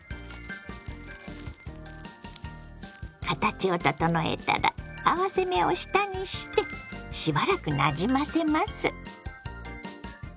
形を整えたら合わせ目を下にしてしばらくなじませます。